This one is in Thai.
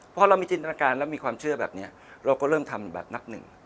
พอเรามีจินตนาการแล้วมีความเชื่อแบบนี้เราก็เริ่มทำแบบนับหนึ่ง